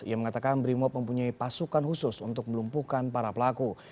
ia mengatakan brimob mempunyai pasukan khusus untuk melumpuhkan para pelaku